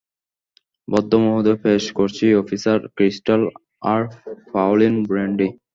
ভদ্রমহোদয়, পেশ করছি officer Crystal আর ফ্রাউলিন ব্র্যান্ডি!